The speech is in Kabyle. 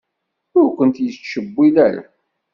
Ur kent-yettcewwil ara.